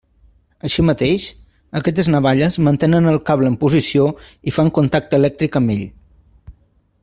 Així mateix, aquestes navalles mantenen al cable en posició i fan contacte elèctric amb ell.